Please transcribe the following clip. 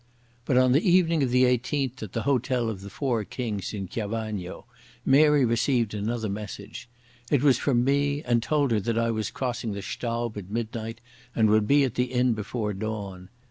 But on the evening of the 18th at the Hotel of the Four Kings in Chiavagno Mary received another message. It was from me and told her that I was crossing the Staub at midnight and would be at the inn before dawn.